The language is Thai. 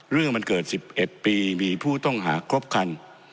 เรื่องมันเกิด๑๑ปีมีผู้ต้องหาครบคัน